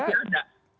menurut saya tidak